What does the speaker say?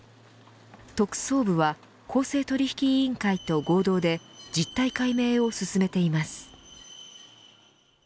特捜部は公正取引委員会と合同で実態解明を進めています。